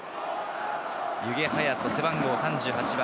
弓削隼人、背番号３８番。